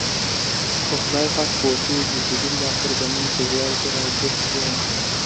خو خدای پاک پوهېږي چې بالاخره د مینې په جال کې را ګیر شوم.